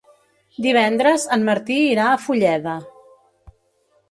Divendres en Martí irà a Fulleda.